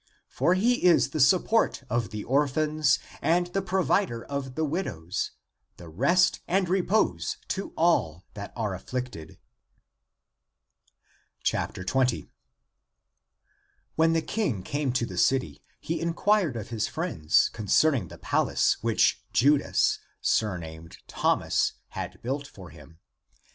For he is the support of the orphans and the provider of the widows, and rest and repose to all that are af flicted." ACTS OF THOMAS 241 20. When the King came to the city, he inquired of his friends concerning the palace which Judas, surnamed Thomas, had built for him.